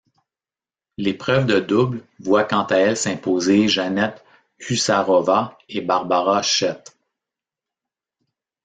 L'épreuve de double voit quant à elle s'imposer Janette Husárová et Barbara Schett.